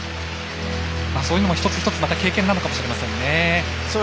そういうのも一つ一つ経験なのかもしれませんね。